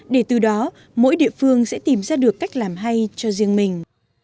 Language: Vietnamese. để từ đó mỗi địa phương sẽ tìm ra được cách làm hay cho riêng mình